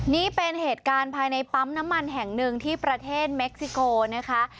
นี่เป็นเหตุการณ์ภายในปั๊มน้ำมันแห่งหนึ่งที่ประเทศเม็กซิโกนะคะ